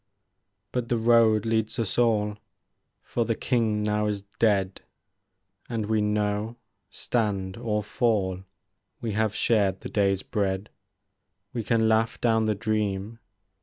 But the road leads us all. For the King now is dead ; And we know, stand or fall. We have shared the day's bread* We can laugh down the dream.